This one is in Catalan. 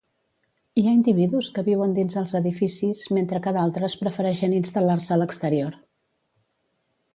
Hi ha individus que viuen dins els edificis, mentre que d'altres prefereixen instal·lar-se a l'exterior.